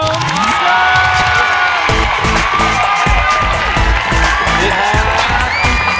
สวัสดีครับ